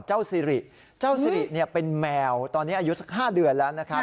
เจ้าซีริเจ้าซีริเนี่ยเป็นแมวตอนเนี้ยอายุสักห้าเดือนแล้วนะครับ